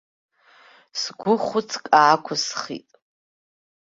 Сгәы хәыцк аақәысхит.